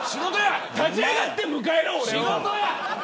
立ち上がって迎えろ、俺を。